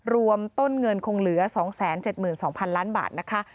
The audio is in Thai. รวมต้นเงินคงเหลือ๒๗๒๐๐๐ล้านบาทนะคะ